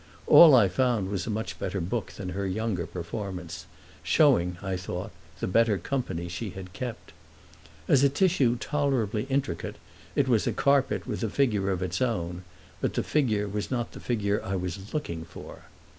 All I found was a much better book than her younger performance, showing I thought the better company she had kept. As a tissue tolerably intricate it was a carpet with a figure of its own; but the figure was not the figure I was looking for.